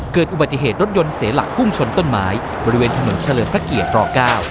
เกิดอุบัติเหตุรถยนต์เสียหลักพุ่งชนต้นไม้บริเวณถนนเฉลิมพระเกียรติร๙